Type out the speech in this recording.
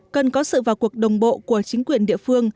cần có sự vào cuộc đồng bộ của chính quyền địa phương